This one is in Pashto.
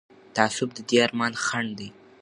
تعصب د دې ارمان خنډ دی